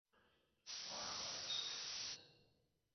Noah má dva sourozence.